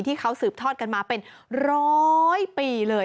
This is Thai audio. ที่เขาสืบทอดกันมาเป็นร้อยปีเลย